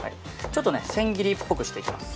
ちょっと千切りっぽくしていきます。